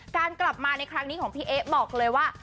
การกลับมาในครั้งนี้ของพี่เอ๊ะบอกเลยว่า